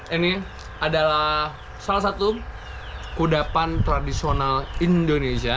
ini adalah salah satu kudapan tradisional indonesia